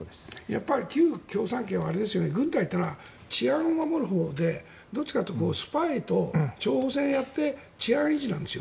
やっぱり旧共産圏っていうのは軍隊というのは治安を守るほうでどちらかというとスパイと諜報戦をやって治安維持なんです。